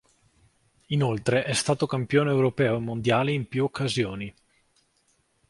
Inoltre è stato campione europeo e mondiale in più occasioni.